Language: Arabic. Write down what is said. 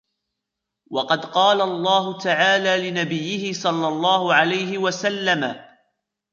وَقَدْ قَالَ اللَّهُ تَعَالَى لِنَبِيِّهِ صَلَّى اللَّهُ عَلَيْهِ وَسَلَّمَ